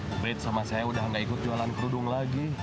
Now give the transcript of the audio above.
uprit sama saya udah gak ikut jualan kerudung lagi